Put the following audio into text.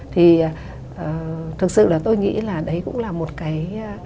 thì thực sự là tôi nghĩ là đấy cũng là một cái